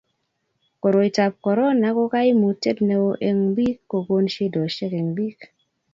koroitab korona ko kaimutiet ne o eng bik kokon shidoshiek eng bik